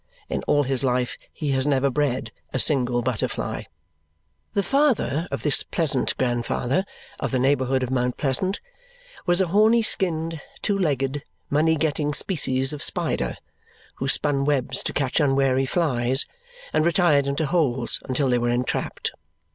In all his life he has never bred a single butterfly. The father of this pleasant grandfather, of the neighbourhood of Mount Pleasant, was a horny skinned, two legged, money getting species of spider who spun webs to catch unwary flies and retired into holes until they were entrapped.